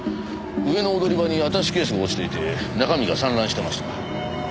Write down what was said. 上の踊り場にアタッシュケースが落ちていて中身が散乱してました。